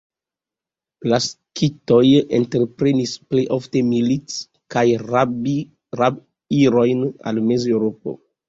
La skitoj entreprenis plej ofte milit- kaj rab-irojn al Mezeŭropo.